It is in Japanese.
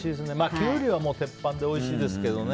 キュウリは鉄板でおいしいですけどね。